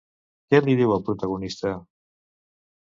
Què li diu al protagonista?